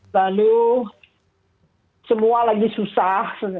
lalu semua lagi susah